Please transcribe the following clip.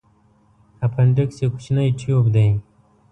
اپنډکس یو کوچنی تیوب دی.